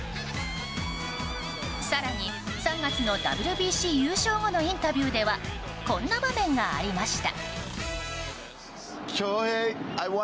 更に３月のＷＢＣ優勝後のインタビューではこんな場面がありました。